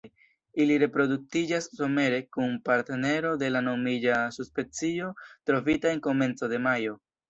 Ili reproduktiĝas somere, kun partnero de la nomiga subspecio trovita en komenco de majo.